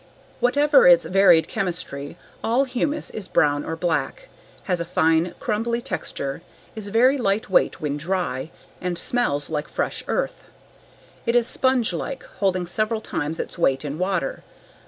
Whatever its varied chemistry, all humus is brown or black, has a fine, crumbly texture, is very light weight when dry, and smells like fresh earth. It is sponge like, holding several times its weight in water.